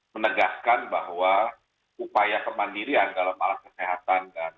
menegaskan bahwa upaya kemandirian dalam alat kesehatan